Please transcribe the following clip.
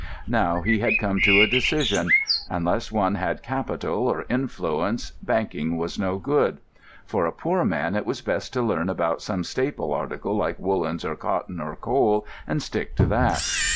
Now he had come to a decision. Unless one had capital or influence, banking was no good; for a poor man it was best to learn about some staple article like woollens or cotton or coal, and stick to that.